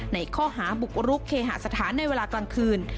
ในข้อหาบุกรุกเคหาสถานในเวลากลางคืน